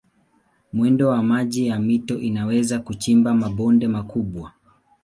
Mwendo wa maji ya mito unaweza kuchimba mabonde makubwa.